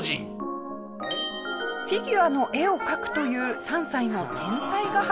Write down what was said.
フィギュアの絵を描くという３歳の天才画伯。